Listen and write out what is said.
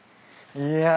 いや。